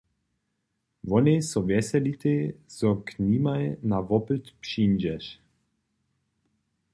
Wonej so wjeselitej, zo k nimaj na wopyt přińdźeš.